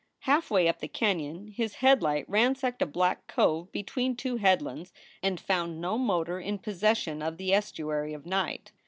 Halfway up the canon his headlight ransacked a black cove between two headlands and found no motor in possession of the estuary of night.